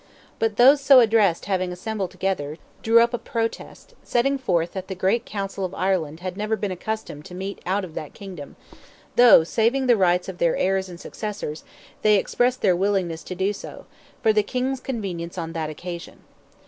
But those so addressed having assembled together, drew up a protest, setting forth that the great Council of Ireland had never been accustomed to meet out of that kingdom, though, saving the rights of their heirs and successors, they expressed their willingness to do so, for the King's convenience on that occasion.